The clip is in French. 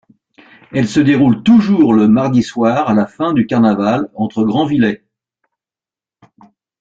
Elles se déroulent toujours le mardi soir, à la fin du carnaval, entre Granvillais.